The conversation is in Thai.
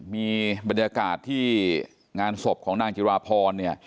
มีบรรยากาศที่งานศพของนางจิราพรเนี่ย